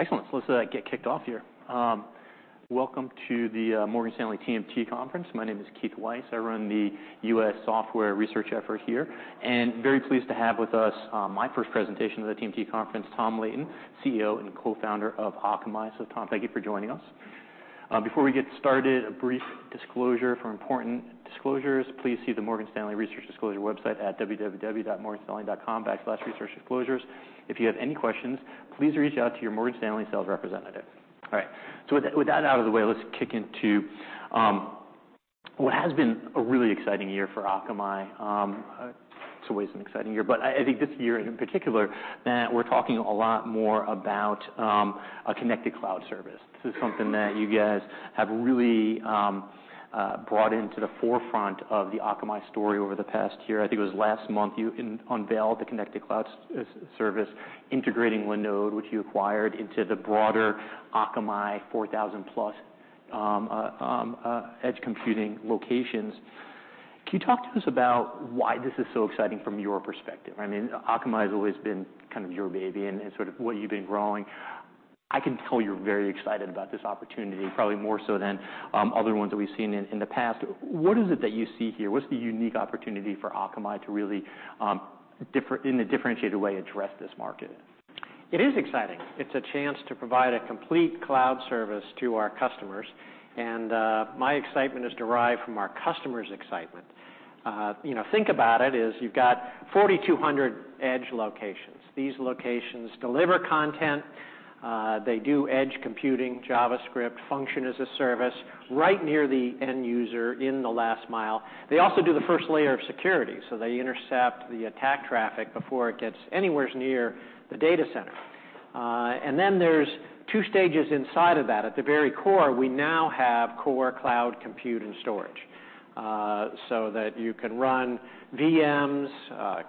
Excellent. let's get kicked off here. Welcome to the Morgan Stanley TMT Conference. My name is Keith Weiss. I run the U.S. Software Research effort here. very pleased to have with us my first presentation of the TMT conference, Tom Leighton, CEO and Co-founder of Akamai. Tom, thank you for joining us. Mm-hmm. Before we get started, a brief disclosure. For important disclosures, please see the Morgan Stanley Research Disclosure website at www.morganstanley.com/researchdisclosures. If you have any questions, please reach out to your Morgan Stanley sales representative. All right, with that out of the way, let's kick into what has been a really exciting year for Akamai. It's always an exciting year, but I think this year in particular, we're talking a lot more about a connected cloud service. This is something that you guys have really brought into the forefront of the Akamai story over the past year. I think it was last month you unveiled the Connected Cloud Service, integrating Linode, which you acquired into the broader Akamai 4,000+ edge computing locations. Can you talk to us about why this is so exciting from your perspective? I mean, Akamai's always been kind of your baby and sort of what you've been growing. I can tell you're very excited about this opportunity, probably more so than other ones that we've seen in the past. What is it that you see here? What's the unique opportunity for Akamai to really in a differentiated way, address this market? It is exciting. It's a chance to provide a complete cloud service to our customers. My excitement is derived from our customers' excitement. You know, think about it, is you've got 4,200 edge locations. These locations deliver content. They do edge computing, JavaScript, Function as a Service right near the end user in the last mile. They also do the first layer of security, so they intercept the attack traffic before it gets anywhere near the data center. There's two stages inside of that. At the very core, we now have core cloud compute and storage, so that you can run VMs,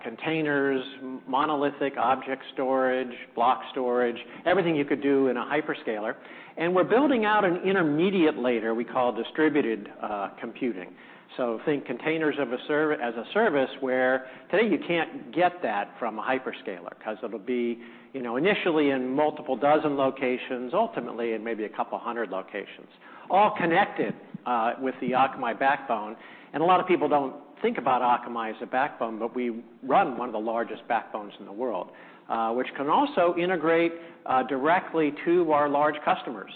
containers, monolithic object storage, block storage, everything you could do in a hyperscaler. We're building out an intermediate layer we call distributed computing. Think containers as a service where today you can't get that from a hyperscaler 'cause it'll be, you know, initially in multiple dozen locations, ultimately in maybe a couple hundred locations, all connected with the Akamai backbone. A lot of people don't think about Akamai as a backbone, but we run one of the largest backbones in the world, which can also integrate directly to our large customers.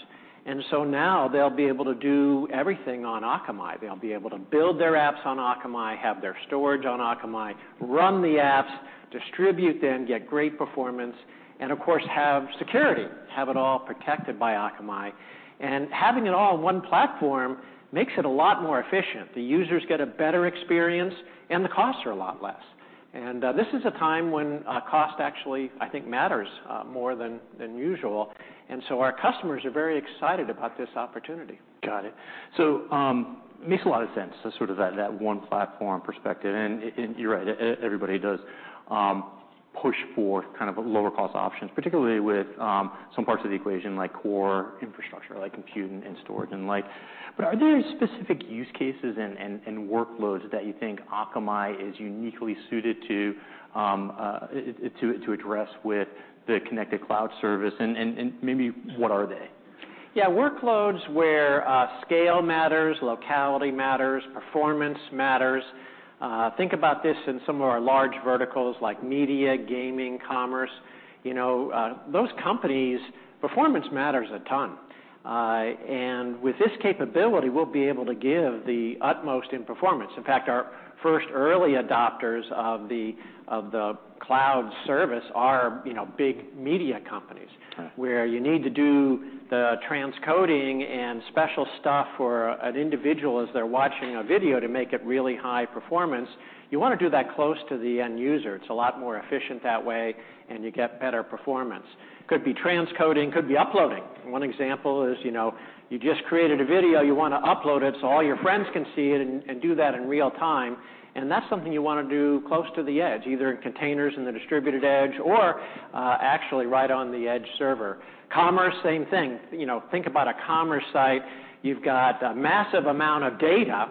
Now they'll be able to do everything on Akamai. They'll be able to build their apps on Akamai, have their storage on Akamai, run the apps, distribute them, get great performance, and of course, have security, have it all protected by Akamai. Having it all on one platform makes it a lot more efficient. The users get a better experience, and the costs are a lot less. This is a time when, cost actually, I think, matters, more than usual. Our customers are very excited about this opportunity. Got it. Makes a lot of sense, so sort of that one platform perspective. You're right, everybody does push for kind of lower cost options, particularly with some parts of the equation, like core infrastructure, like compute and storage and the like. Are there specific use cases and workloads that you think Akamai is uniquely suited to address with the Connected Cloud service? Maybe what are they? Yeah. Workloads where scale matters, locality matters, performance matters. Think about this in some of our large verticals like media, gaming, commerce, you know, those companies, performance matters a ton. With this capability, we'll be able to give the utmost in performance. In fact, our first early adopters of the cloud service are, you know, big media companies. Okay Where you need to do the transcoding and special stuff for an individual as they're watching a video to make it really high performance. You wanna do that close to the end user. It's a lot more efficient that way, and you get better performance. Could be transcoding, could be uploading. One example is, you know, you just created a video, you wanna upload it so all your friends can see it and do that in real time, and that's something you wanna do close to the edge, either in containers in the distributed edge or actually right on the edge server. Commerce, same thing. You know, think about a commerce site. You've got a massive amount of data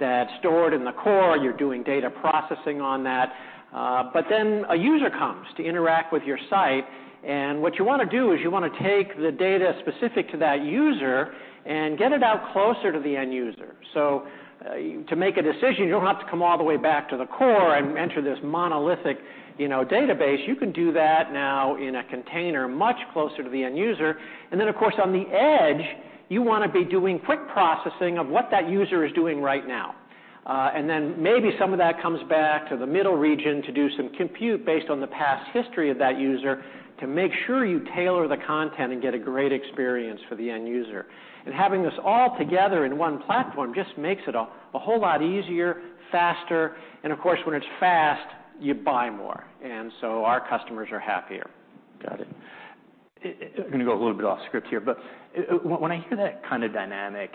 that's stored in the core. You're doing data processing on that. A user comes to interact with your site, and what you wanna do is you wanna take the data specific to that user and get it out closer to the end user. To make a decision, you don't have to come all the way back to the core and enter this monolithic, you know, database. You can do that now in a container much closer to the end user. Of course, on the edge, you wanna be doing quick processing of what that user is doing right now. Maybe some of that comes back to the middle region to do some compute based on the past history of that user to make sure you tailor the content and get a great experience for the end user. Having this all together in one platform just makes it a whole lot easier, faster, and of course, when it's fast, you buy more. Our customers are happier. Got it. I'm gonna go a little bit off script here, but when I hear that kind of dynamic,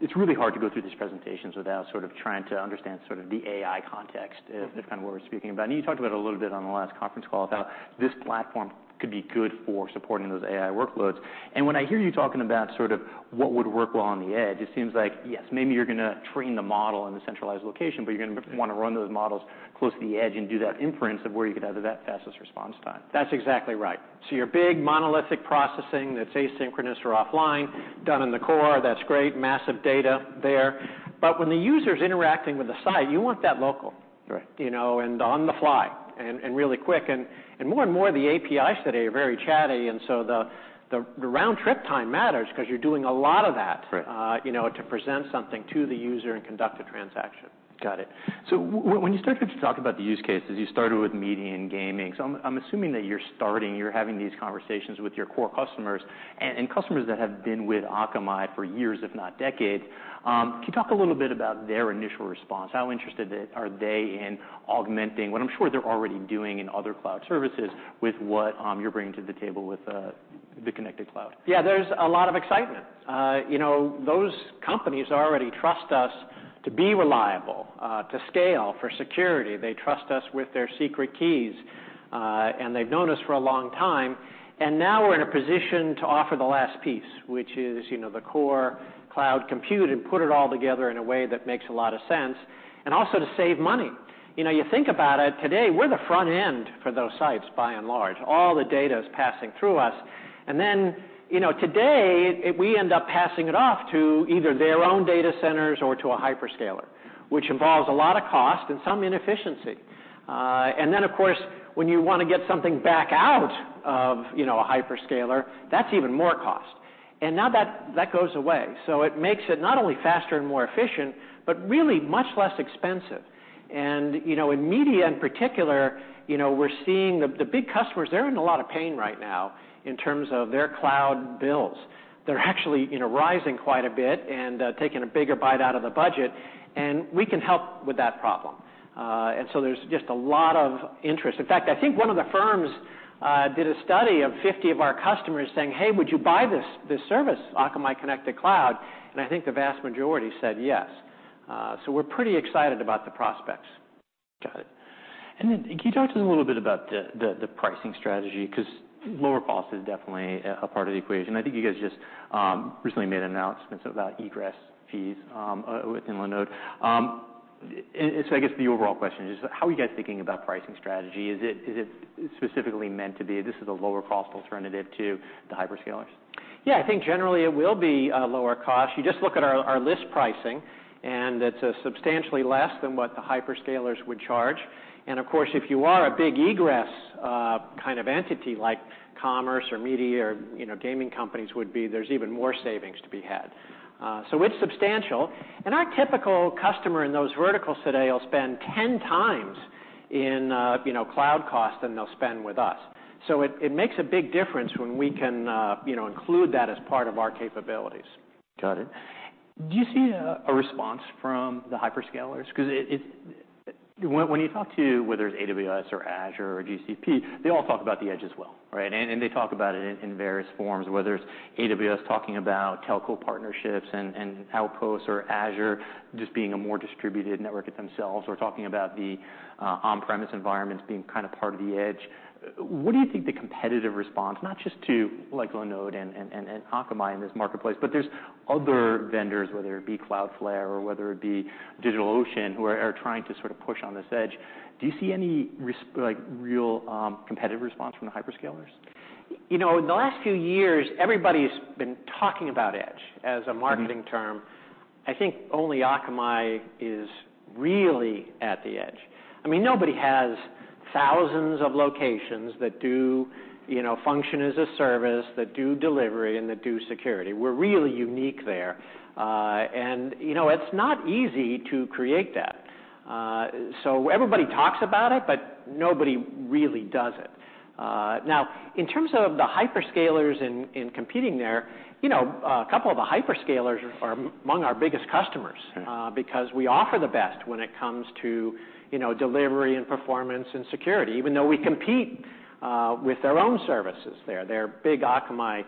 it's really hard to go through these presentations without sort of trying to understand sort of the AI context. Mm-hmm As kind of what we're speaking about. You talked about a little bit on the last conference call about this platform could be good for supporting those AI workloads. When I hear you talking about sort of what would work well on the edge, it seems like yes, maybe you're gonna train the model in a centralized location, but you're gonna want to run those models close to the edge and do that inference of where you could have that fastest response time. That's exactly right. Your big monolithic processing that's asynchronous or offline, done in the core, that's great. Massive data there. When the user's interacting with the site, you want that local. Right. You know, on the fly and really quick. More and more of the APIs today are very chatty, the round trip time matters because you're doing a lot of that. Right You know, to present something to the user and conduct a transaction. Got it. When you started to talk about the use cases, you started with media and gaming. I'm assuming that you're having these conversations with your core customers and customers that have been with Akamai for years, if not decades. Can you talk a little bit about their initial response? How interested are they in augmenting what I'm sure they're already doing in other cloud services with what you're bringing to the table with the Connected Cloud? Yeah, there's a lot of excitement. You know, those companies already trust us to be reliable, to scale for security. They trust us with their secret keys, and they've known us for a long time, and now we're in a position to offer the last piece, which is, you know, the core cloud compute, and put it all together in a way that makes a lot of sense, and also to save money. You know, you think about it, today we're the front end for those sites by and large. All the data is passing through us. You know, today, we end up passing it off to either their own data centers or to a hyperscaler, which involves a lot of cost and some inefficiency. Then of course when you wanna get something back out of, you know, a hyperscaler, that's even more cost. Now that goes away, so it makes it not only faster and more efficient, but really much less expensive. You know, in media in particular, you know, we're seeing the big customers, they're in a lot of pain right now in terms of their cloud bills. They're actually, you know, rising quite a bit and taking a bigger bite out of the budget, we can help with that problem. There's just a lot of interest. In fact, I think one of the firms did a study of 50 of our customers saying, "Hey, would you buy this service, Akamai Connected Cloud?" I think the vast majority said yes. We're pretty excited about the prospects. Got it. Can you talk to us a little bit about the pricing strategy? 'Cause lower cost is definitely a part of the equation. I think you guys just recently made an announcement about egress fees within Linode. I guess the overall question is how are you guys thinking about pricing strategy? Is it specifically meant to be this is a lower cost alternative to the hyperscalers? Yeah. I think generally it will be lower cost. You just look at our list pricing, and it's substantially less than what the hyperscalers would charge. Of course, if you are a big egress, kind of entity like commerce or media or, you know, gaming companies would be, there's even more savings to be had. It's substantial. Our typical customer in those verticals today will spend 10x in, you know, cloud cost than they'll spend with us. It, it makes a big difference when we can, you know, include that as part of our capabilities. Got it. Do you see a response from the hyperscalers? Cause it When you talk to whether it's AWS or Azure or GCP, they all talk about the edge as well, right? They talk about it in various forms, whether it's AWS talking about telco partnerships and outposts, or Azure just being a more distributed network themselves, or talking about the on-premise environments being kind of part of the edge. What do you think the competitive response, not just to like Linode and Akamai in this marketplace, but there's other vendors, whether it be Cloudflare or whether it be DigitalOcean, who are trying to sort of push on this edge. Do you see any like real competitive response from the hyperscalers? You know, in the last few years, everybody's been talking about edge. Mm-hmm marketing term. I think only Akamai is really at the edge. I mean, nobody has thousands of locations that do, you know, Function as a Service, that do delivery, and that do security. We're really unique there. You know, it's not easy to create that. Everybody talks about it, but nobody really does it. In terms of the hyperscalers in competing there, you know, a couple of the hyperscalers are among our biggest customers- Okay Because we offer the best when it comes to, you know, delivery and performance and security. Even though we compete with their own services there, they're big Akamai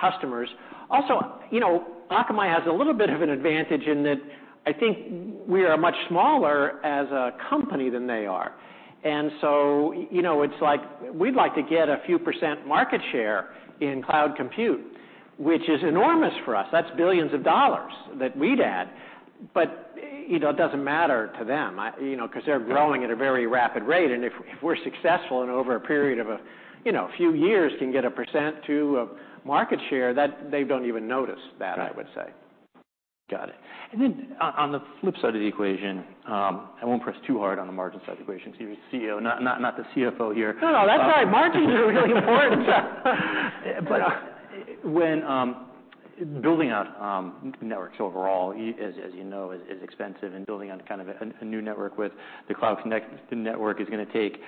customers. Also, you know, Akamai has a little bit of an advantage in that I think we are much smaller as a company than they are, and so, you know, it's like we'd like to get a few percent market share in cloud compute, which is enormous for us. That's billions of dollars that we'd add. You know, it doesn't matter to them. You know, because they're growing at a very rapid rate, and if we're successful and over a period of a, you know, few years can get 1% or 2% of market share, they don't even notice that. Got it. I would say. Got it. On the flip side of the equation, I won't press too hard on the margin side of the equation 'cause you're the CEO, not the CFO here. No, no, that's all right. Margins are really important. When building out networks overall, as you know, is expensive and building out kind of a new network with the network is going to take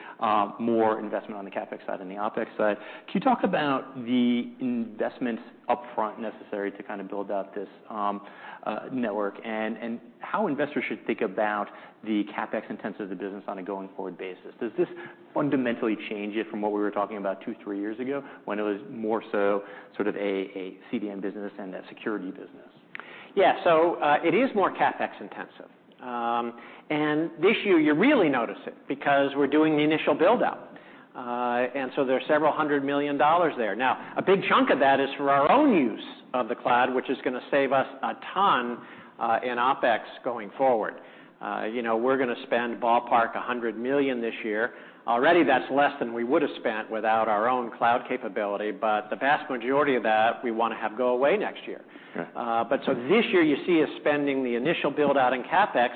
more investment on the CapEx side than the OpEx side. Can you talk about the investments upfront necessary to kind of build out this network and how investors should think about the CapEx intensive the business on a going forward basis? Does this fundamentally change it from what we were talking about two, three years ago when it was more so sort of a CDN business and a security business? Yeah. It is more CapEx intensive. This year you really notice it because we're doing the initial build-out. There's $several hundred million there. Now, a big chunk of that is for our own use of the cloud, which is gonna save us a ton in OpEx going forward. You know, we're gonna spend ballpark $100 million this year. Already that's less than we would've spent without our own cloud capability, but the vast majority of that we wanna have go away next year. Okay. This year you see us spending the initial build-out in CapEx,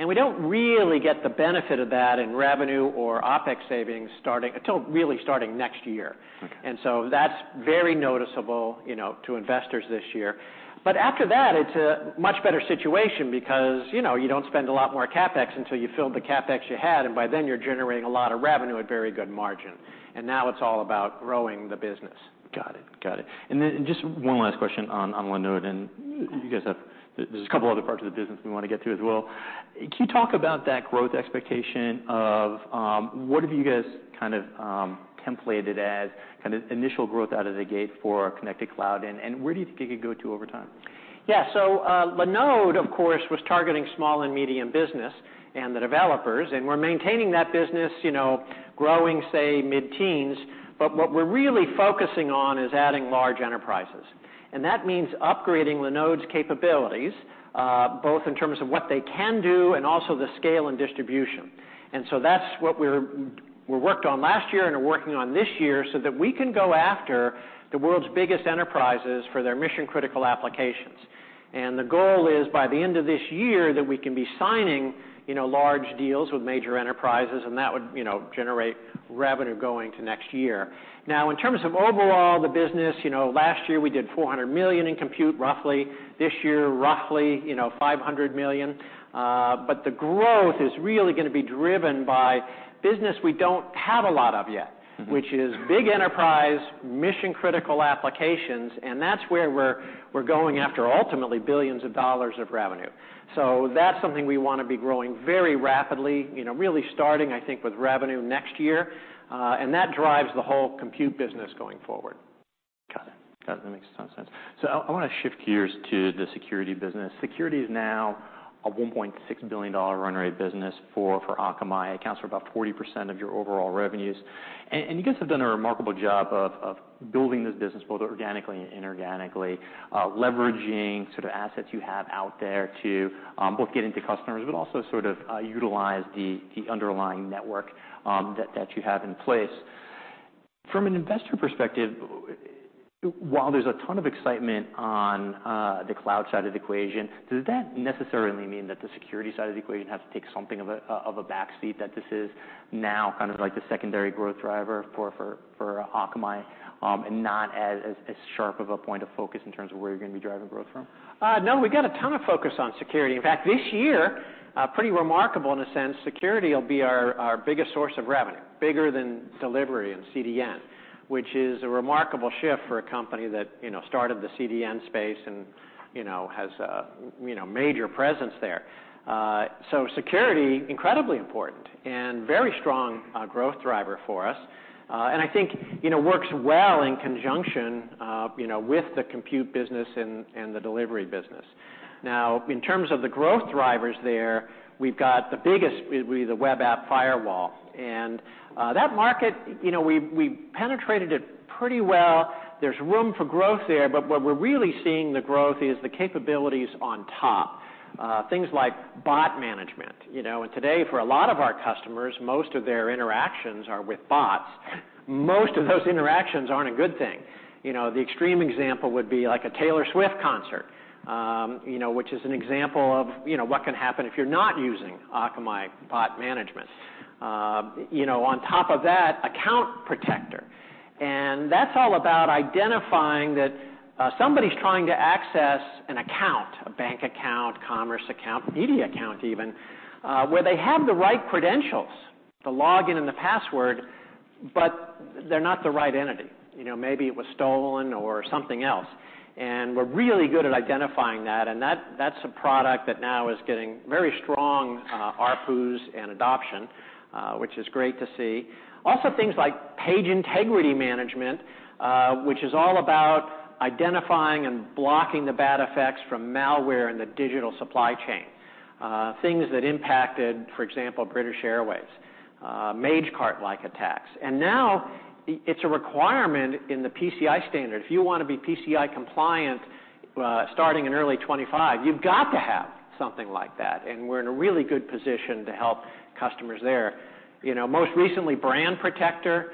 and we don't really get the benefit of that in revenue or OpEx savings until really starting next year. Okay. That's very noticeable, you know, to investors this year. After that, it's a much better situation because, you know, you don't spend a lot more CapEx until you filled the CapEx you had, and by then you're generating a lot of revenue at very good margin. Now it's all about growing the business. Got it. Got it. Then just one last question on Linode, there's a couple other parts of the business we wanna get to as well. Can you talk about that growth expectation of what have you guys kind of templated as kind of initial growth out of the gate for Connected Cloud? Where do you think it could go to over time? Yeah. Linode, of course, was targeting small and medium business and the developers, we're maintaining that business, you know, growing, say, mid-teens, what we're really focusing on is adding large enterprises. That means upgrading Linode's capabilities, both in terms of what they can do and also the scale and distribution. That's what we worked on last year and are working on this year so that we can go after the world's biggest enterprises for their mission-critical applications. The goal is by the end of this year that we can be signing, you know, large deals with major enterprises, and that would, you know, generate revenue going to next year. Now, in terms of overall the business, you know, last year we did $400 million in compute, roughly. This year, roughly, you know, $500 million. The growth is really gonna be driven by business we don't have a lot of yet. Mm-hmm Which is big enterprise, mission-critical applications, and that's where we're going after ultimately billions of dollars of revenue. That's something we wanna be growing very rapidly, you know, really starting, I think, with revenue next year, and that drives the whole compute business going forward. Got it. That makes a ton of sense. I wanna shift gears to the security business. Security is now a $1.6 billion run rate business for Akamai, accounts for about 40% of your overall revenues. You guys have done a remarkable job of building this business both organically and inorganically, leveraging sort of assets you have out there to both get into customers, but also sort of utilize the underlying network that you have in place. From an investor perspective, while there's a ton of excitement on the cloud side of the equation, does that necessarily mean that the security side of the equation has to take something of a back seat, that this is now kind of like the secondary growth driver for Akamai, and not as sharp of a point of focus in terms of where you're gonna be driving growth from? No, we got a ton of focus on security. In fact, this year, pretty remarkable in a sense, security will be our biggest source of revenue, bigger than delivery and CDN, which is a remarkable shift for a company that, you know, started the CDN space and, you know, has major presence there. Security, incredibly important and very strong growth driver for us. I think, you know, works well in conjunction, you know, with the compute business and the delivery business. Now, in terms of the growth drivers there, we've got the biggest is really the Web Application Firewall. That market, you know, we penetrated it pretty well. There's room for growth there, but where we're really seeing the growth is the capabilities on top, things like Bot Management. You know, today, for a lot of our customers, most of their interactions are with bots. Most of those interactions aren't a good thing. You know, the extreme example would be like a Taylor Swift concert, you know, which is an example of, you know, what can happen if you're not using Akamai Bot Management. You know, on top of that, Account Protector, that's all about identifying that somebody's trying to access an account, a bank account, commerce account, media account even, where they have the right credentials, the login and the password, but they're not the right entity. You know, maybe it was stolen or something else. We're really good at identifying that's a product that now is getting very strong ARPUs and adoption, which is great to see. Things like Page Integrity Manager, which is all about identifying and blocking the bad effects from malware in the digital supply chain, things that impacted, for example, British Airways, Magecart-like attacks. Now it's a requirement in the PCI standard. If you wanna be PCI compliant, starting in early 2025, you've got to have something like that, and we're in a really good position to help customers there. You know, most recently, Brand Protector,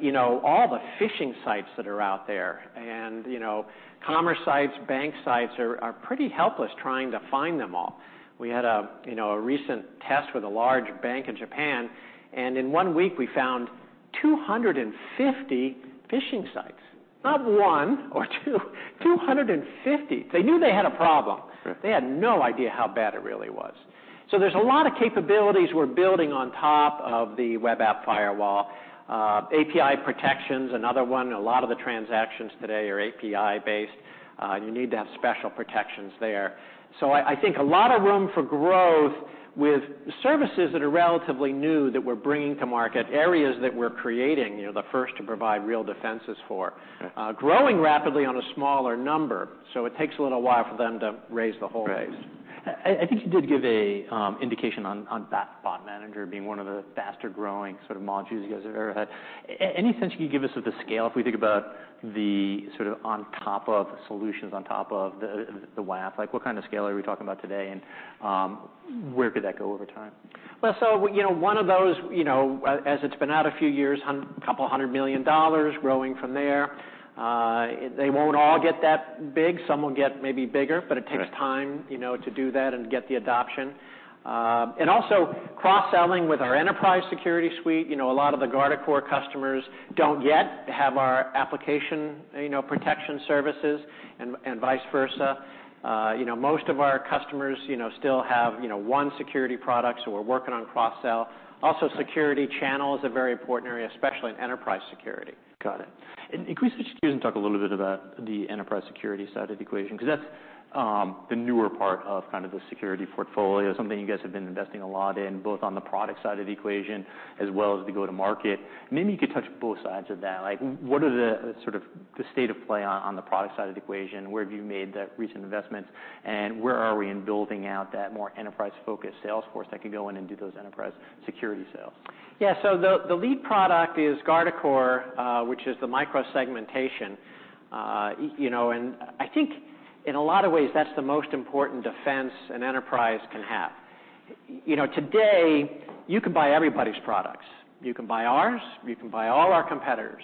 you know, all the phishing sites that are out there and, you know, commerce sites, bank sites are pretty helpless trying to find them all. We had a, you know, a recent test with a large bank in Japan, and in one week we found 250 phishing sites. Not one or two, 250. They knew they had a problem. Right. They had no idea how bad it really was. There's a lot of capabilities we're building on top of the Web Application Firewall. API protection is another one. A lot of the transactions today are API-based. You need to have special protections there. I think a lot of room for growth with services that are relatively new that we're bringing to market, areas that we're creating, you know, the first to provide real defenses for. Okay. growing rapidly on a smaller number, so it takes a little while for them to raise the whole base. I think you did give a indication on Bot Manager being one of the faster-growing sort of modules you guys have ever had. Any sense you can give us of the scale if we think about the sort of on top of solutions on top of the WAF? Like, what kind of scale are we talking about today, and, where could that go over time? You know, one of those, you know, as it's been out a few years, $200 million growing from there. They won't all get that big. Some will get maybe bigger. Got it. It takes time, you know, to do that and to get the adoption. Also cross-selling with our enterprise security suite. You know, a lot of the Guardicore customers don't yet have our application, you know, protection services and vice versa. You know, most of our customers, you know, still have, you know, 1 security product. We're working on cross-sell. Security channel is a very important area, especially in enterprise security. Got it. Can we switch gears and talk a little bit about the enterprise security side of the equation? Because that's the newer part of kind of the security portfolio, something you guys have been investing a lot in, both on the product side of the equation as well as the go-to-market. Maybe you could touch both sides of that. Like, what are the sort of the state of play on the product side of the equation? Where have you made the recent investments, and where are we in building out that more enterprise-focused sales force that could go in and do those enterprise security sales? Yeah. The lead product is Guardicore, which is the micro-segmentation. You know, I think in a lot of ways, that's the most important defense an enterprise can have. You know, today you can buy everybody's products. You can buy ours, you can buy all our competitors.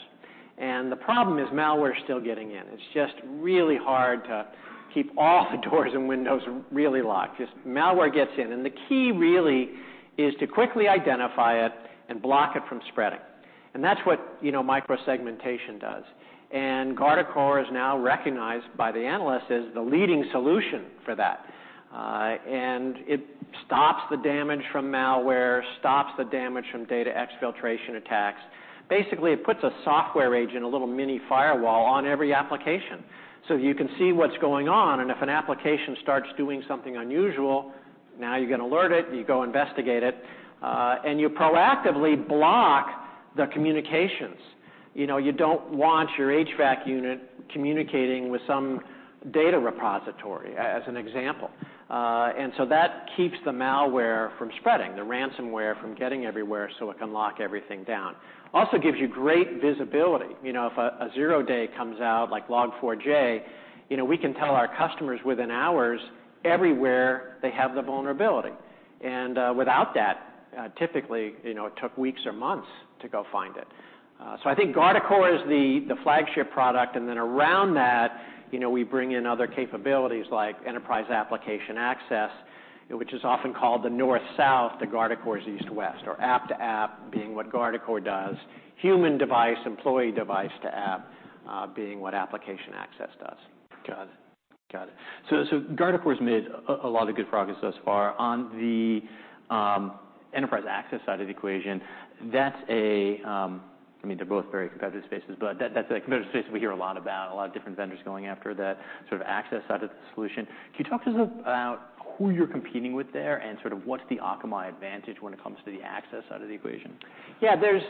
The problem is malware's still getting in. It's just really hard to keep all the doors and windows really locked. Just malware gets in, the key really is to quickly identify it and block it from spreading. That's what, you know, micro-segmentation does. Guardicore is now recognized by the analysts as the leading solution for that. It stops the damage from malware, stops the damage from data exfiltration attacks. Basically, it puts a software agent, a little mini firewall, on every application, so you can see what's going on, and if an application starts doing something unusual, now you get alerted, and you go investigate it. You proactively block the communications. You know, you don't want your HVAC unit communicating with some data repository, as an example. So that keeps the malware from spreading, the ransomware from getting everywhere so it can lock everything down. Also gives you great visibility. You know, if a zero day comes out like Log4j, you know, we can tell our customers within hours everywhere they have the vulnerability. Without that, typically, you know, it took weeks or months to go find it. I think Guardicore is the flagship product, and then around that, you know, we bring in other capabilities like Enterprise Application Access, which is often called the north-south to Guardicore's east-west, or app-to-app being what Guardicore does. Human device, employee device-to-app, being what Application Access does. Got it. Guardicore's made a lot of good progress thus far. On the enterprise access side of the equation, that's a... I mean, they're both very competitive spaces, but that's a competitive space we hear a lot about, a lot of different vendors going after that sort of access side of the solution. Can you talk to us about who you're competing with there and sort of what's the Akamai advantage when it comes to the access side of the equation? Yeah. There's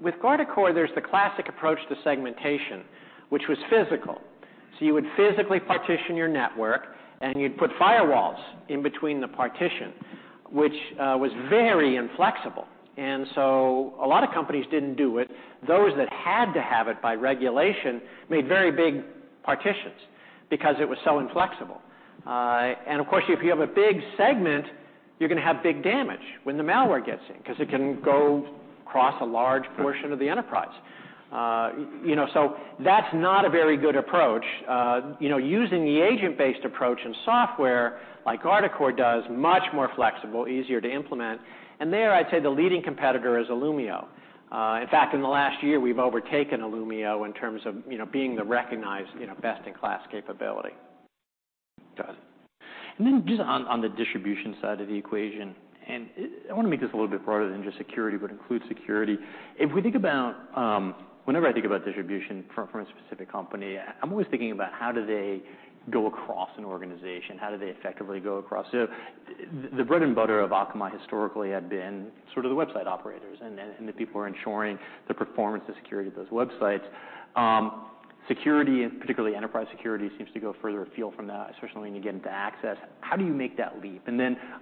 With Guardicore, there's the classic approach to segmentation, which was physical. You would physically partition your network, and you'd put firewalls in between the partition, which was very inflexible. A lot of companies didn't do it. Those that had to have it by regulation made very big partitions because it was so inflexible. Of course, if you have a big segment, you're gonna have big damage when the malware gets in, because it can go across a large portion of the enterprise. You know, so that's not a very good approach. You know, using the agent-based approach and software like Guardicore does, much more flexible, easier to implement. There, I'd say the leading competitor is Illumio. In fact, in the last year, we've overtaken Illumio in terms of, you know, being the recognized, you know, best-in-class capability. Got it. Just on the distribution side of the equation, and I wanna make this a little bit broader than just security, but include security. If we think about Whenever I think about distribution from a specific company, I'm always thinking about how do they go across an organization? How do they effectively go across? The bread and butter of Akamai historically had been sort of the website operators and the people who are ensuring the performance and security of those websites. Security, and particularly enterprise security, seems to go further afield from that, especially when you get into access. How do you make that leap?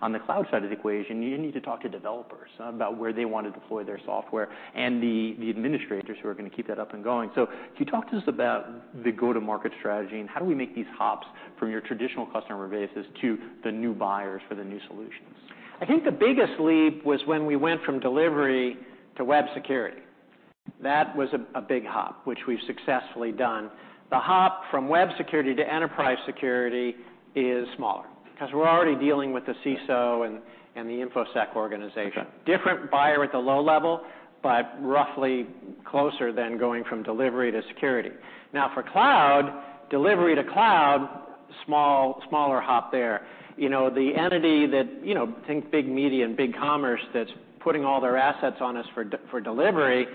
On the cloud side of the equation, you need to talk to developers about where they want to deploy their software and the administrators who are gonna keep that up and going. Can you talk to us about the go-to-market strategy and how do we make these hops from your traditional customer bases to the new buyers for the new solutions? I think the biggest leap was when we went from delivery to web security. That was a big hop, which we've successfully done. The hop from web security to enterprise security is smaller, because we're already dealing with the CISO and the InfoSec organization. Got it. Different buyer at the low level, but roughly closer than going from delivery to security. Now, for cloud, delivery to cloud, smaller hop there. You know, the entity that You know, think big media and big commerce that's putting all their assets on us for delivery,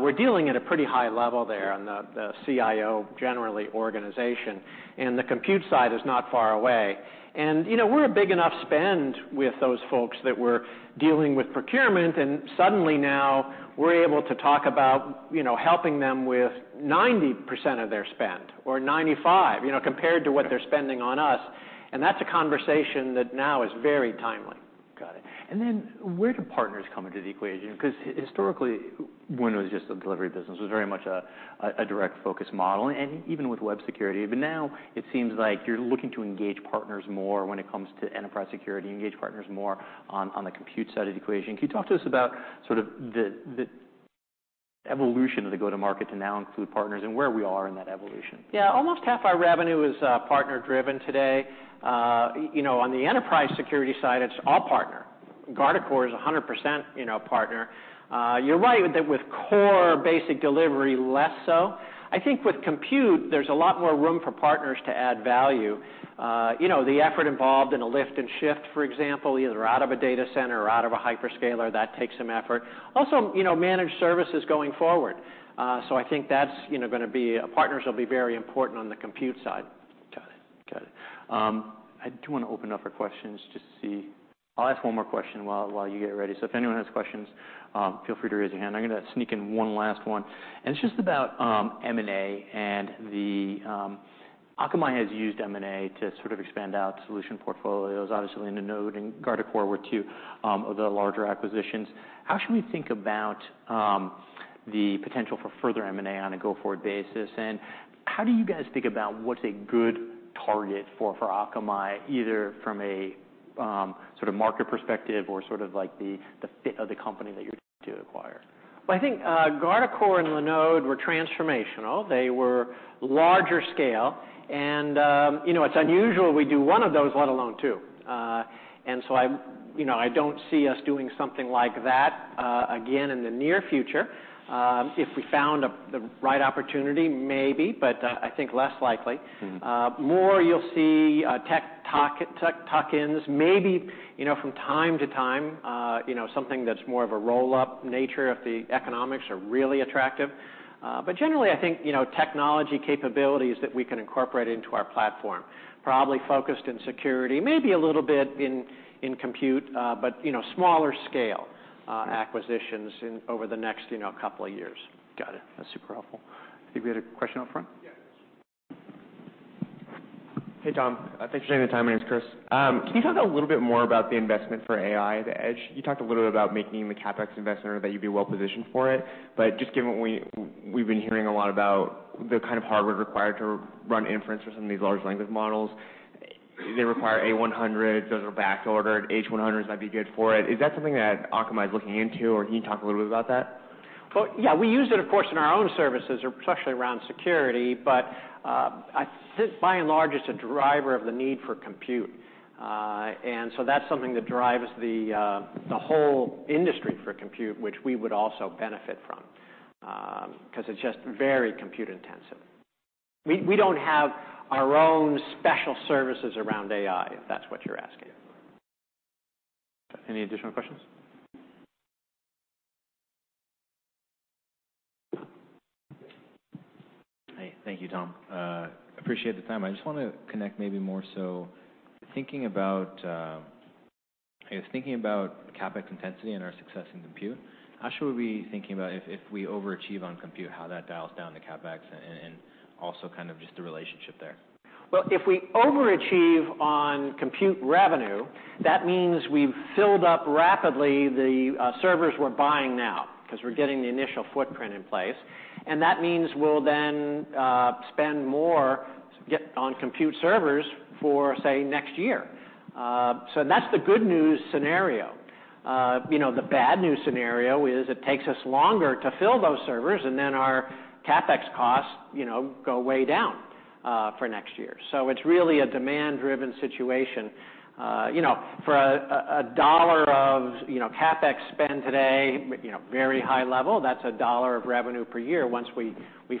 we're dealing at a pretty high level there on the CIO generally organization, and the compute side is not far away. You know, we're a big enough spend with those folks that we're dealing with procurement, and suddenly now we're able to talk about, you know, helping them with 90% of their spend, or 95%, you know, compared to what they're spending on us, and that's a conversation that now is very timely. Got it. Then where do partners come into the equation? Because historically, when it was just a delivery business, it was very much a direct focus model and even with Web security. Now it seems like you're looking to engage partners more when it comes to enterprise security, engage partners more on the compute side of the equation. Can you talk to us about sort of the evolution of the go-to-market to now include partners and where we are in that evolution? Yeah. Almost half our revenue is partner-driven today. You know, on the enterprise security side, it's all partner. Guardicore is 100%, you know, partner. You're right with core basic delivery, less so. I think with compute, there's a lot more room for partners to add value. You know, the effort involved in a lift and shift, for example, either out of a data center or out of a hyperscaler, that takes some effort. Also, you know, managed services going forward. I think that's, you know, Partners will be very important on the compute side. Got it. Got it. I do wanna open up for questions just to see. I'll ask one more question while you get ready. If anyone has questions, feel free to raise your hand. I'm gonna sneak in one last one, and it's just about M&A and the... Akamai has used M&A to sort of expand out solution portfolios. Obviously, Linode and Guardicore were two of the larger acquisitions. How should we think about the potential for further M&A on a go-forward basis, and how do you guys think about what's a good target for Akamai, either from a sort of market perspective or sort of like the fit of the company that you're to acquire? Well, I think Guardicore and Linode were transformational. They were larger scale and, you know, it's unusual we do one of those, let alone two. I don't see us doing something like that, you know, again in the near future. If we found the right opportunity, maybe, but I think less likely. Mm-hmm. More you'll see tech tuck-ins. Maybe, you know, from time to time, you know, something that's more of a roll-up nature if the economics are really attractive. Generally I think, you know, technology capabilities that we can incorporate into our platform, probably focused in security, maybe a little bit in compute, but you know, smaller scale acquisitions over the next, you know, couple of years. Got it. That's super helpful. I think we had a question up front. Yeah. Hey, Tom. Thanks for taking the time. My name is Chris. Can you talk a little bit more about the investment for AI at the edge? You talked a little bit about making the CapEx investment or that you'd be well positioned for it. Just given we've been hearing a lot about the kind of hardware required to run inference for some of these large language models, they require A100, those are back ordered, H100s might be good for it. Is that something that Akamai is looking into, or can you talk a little bit about that? Well, yeah, we use it, of course, in our own services, or particularly around security, I think by and large, it's a driver of the need for compute. That's something that drives the whole industry for compute, which we would also benefit from, because it's just very compute intensive. We don't have our own special services around AI, if that's what you're asking. Any additional questions? Hey. Thank you, Tom. Appreciate the time. I just wanna connect maybe more so thinking about, I guess thinking about CapEx intensity and our success in compute, how should we be thinking about if we overachieve on compute, how that dials down the CapEx and also kind of just the relationship there? Well, if we overachieve on compute revenue, that means we've filled up rapidly the servers we're buying now 'cause we're getting the initial footprint in place, and that means we'll then spend more to get on compute servers for, say, next year. That's the good news scenario. You know, the bad news scenario is it takes us longer to fill those servers, and then our CapEx costs, you know, go way down for next year. It's really a demand-driven situation. You know, for a dollar of, you know, CapEx spend today, you know, very high level, that's a dollar of revenue per year once we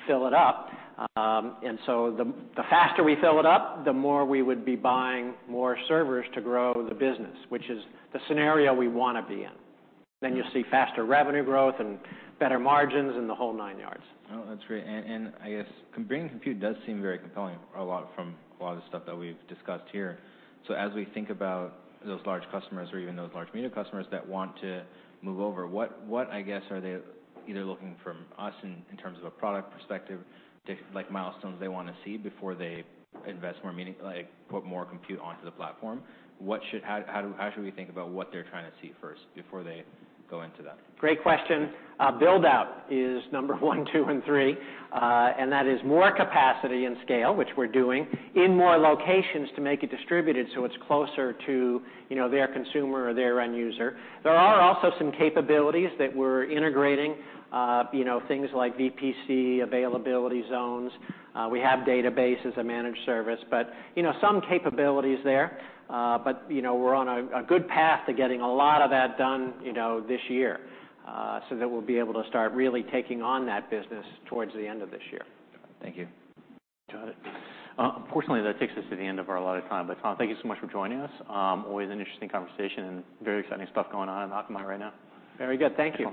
fill it up. The faster we fill it up, the more we would be buying more servers to grow the business, which is the scenario we wanna be in. You'll see faster revenue growth and better margins, and the whole nine yards. Oh, that's great. I guess bringing compute does seem very compelling from a lot of the stuff that we've discussed here. As we think about those large customers or even those large medium customers that want to move over, what I guess are they either looking from us in terms of a product perspective to like milestones they wanna see before they invest more meaning like put more compute onto the platform? How should we think about what they're trying to see first before they go into that? Great question. Build out is number one, two, and three. That is more capacity and scale, which we're doing, in more locations to make it distributed so it's closer to, you know, their consumer or their end user. There are also some capabilities that we're integrating, you know, things like VPC, availability zones. We have database as a managed service, but you know, some capabilities there. You know, we're on a good path to getting a lot of that done, you know, this year, so that we'll be able to start really taking on that business towards the end of this year. Thank you. Got it. Unfortunately, that takes us to the end of our allotted time. Tom, thank you so much for joining us. Always an interesting conversation and very exciting stuff going on at Akamai right now. Very good. Thank you.